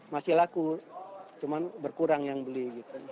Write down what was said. masih laku cuman berkurang yang beli gitu